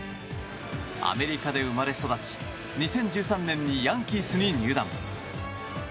アメリカで生まれ育ち２０１３年にヤンキースに入団。